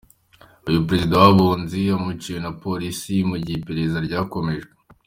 Uyu Perezida w’’Abunzi acumbikiwe na Polisi mu gihe iperereza rikomeje.